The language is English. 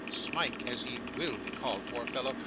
Smike, as he WILL be called, poor fellow!